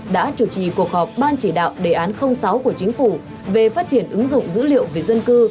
đã chủ trì cuộc họp ban chỉ đạo đề án sáu của chính phủ về phát triển ứng dụng dữ liệu về dân cư